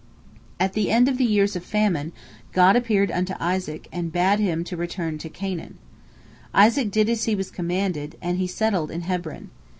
At the end of the years of famine, God appeared unto Isaac, and bade him return to Canaan. Isaac did as he was commanded, and he settled in Hebron.